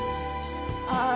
ああ。